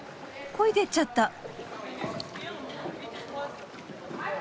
こいでっちゃった。